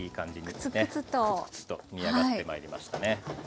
クツクツと煮上がってまいりましたね。